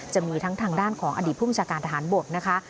จะมีทั้งทางด้านของอดีตภูมิชาการทหารบกนะคะ